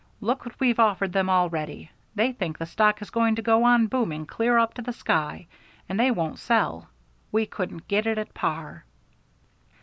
"Look what we've offered them already. They think the stock is going to go on booming clear up to the sky, and they won't sell. We couldn't get it at par."